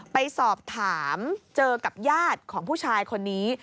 ไปสอบถามเจอกับญาติของผู้ชายคนนี้